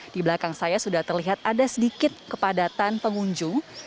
di belakang saya sudah terlihat ada sedikit kepadatan pengunjung